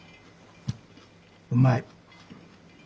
うまい。